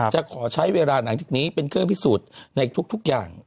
จะขอใช้เวลาหลังจากนี้เป็นเครื่องพิสูจน์ในทุกอย่าง